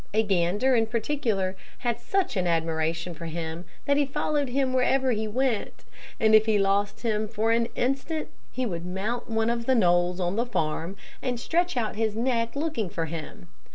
A gander, in particular, had such an admiration for him that he followed him wherever he went, and if he lost him for an instant, he would mount one of the knolls on the farm and stretch out his neck looking for him.